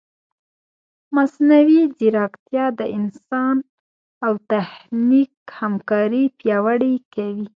مصنوعي ځیرکتیا د انسان او تخنیک همکاري پیاوړې کوي.